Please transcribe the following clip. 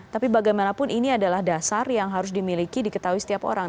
tapi bagaimanapun ini adalah dasar yang harus dimiliki diketahui setiap orang